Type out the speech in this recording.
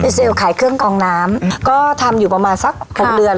เซลล์ขายเครื่องกองน้ำก็ทำอยู่ประมาณสักหกเดือน